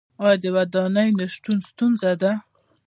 آیا د ودانیو نشتون ستونزه ده؟